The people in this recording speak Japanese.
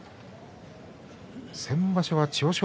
先場所は千代翔